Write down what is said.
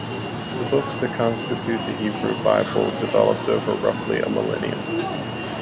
The books that constitute the Hebrew Bible developed over roughly a millennium.